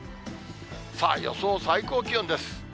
さあ、予想最高気温です。